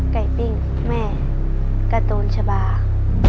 ปิ้งแม่การ์ตูนชะบา